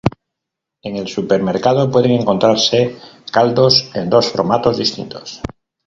En el supermercado pueden encontrarse caldos en dos formatos distintos.